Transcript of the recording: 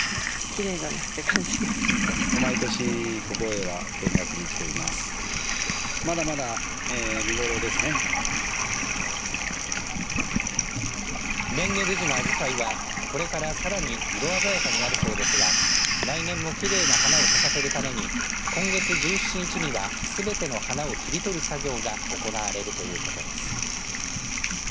蓮華峰寺のあじさいはこれからさらに色鮮やかになるそうですが来年もきれいな花を咲かせるために今月１７日にはすべての花を切り取る作業が行われるということです。